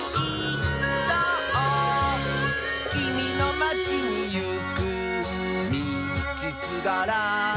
「きみのまちにいくみちすがら」